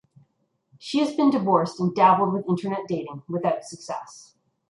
She has been divorced and dabbled with internet dating without success.